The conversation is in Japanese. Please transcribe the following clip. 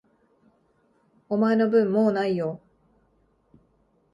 お前の分、もう無いよ。